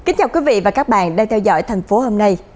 chào các bạn đã theo dõi thành phố hôm nay